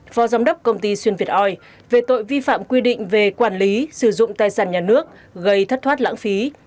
phó giám đốc công ty xuyên việt oi về tội vi phạm quy định về quản lý sử dụng tài sản nhà nước gây thất thoát lãng phí